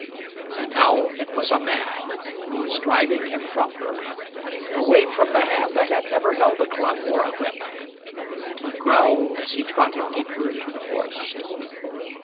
And now it was a man who was driving him from her, away from the hand that had never held a club or a whip, and he growled as he trotted deeper into the forest.